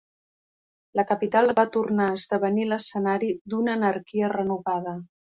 La capital va tornar a esdevenir l'escenari d'una anarquia renovada.